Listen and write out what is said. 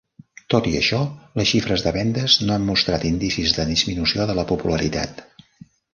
Tot i això, les xifres de vendes no han mostrat indicis de disminució de la popularitat.